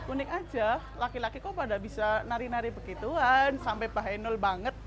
unik aja laki laki kok pada bisa nari nari begituan sampai bahenul banget